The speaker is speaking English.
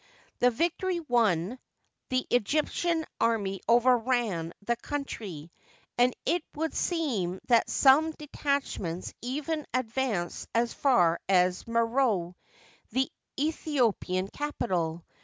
The victory won, the Egyptian army overran the country, and it would seem that some detachments even advanced as far as Mero^ the Aethiopian capital.